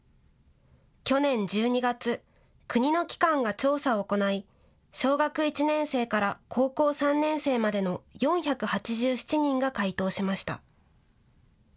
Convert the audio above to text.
去年１２月、国の機関が調査を行い小学１年生から高校３年生までの４８７人が回答しました。